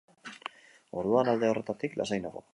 Orduan, alde horretatik lasai nago.